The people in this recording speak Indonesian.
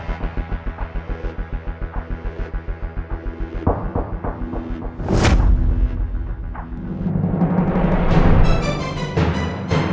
jadi kamu cucinya pakai tangan